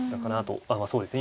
あっまあそうですね